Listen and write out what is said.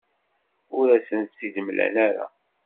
Ur asen-tt-id-mlan ara.